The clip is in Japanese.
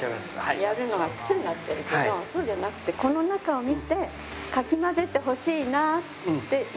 やるのがクセになってるけどそうじゃなくてこの中を見て「かき混ぜてほしいな」って言ったら混ぜる。